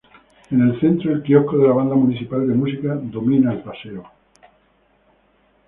En el centro, el quiosco de la Banda Municipal de Música domina el paseo.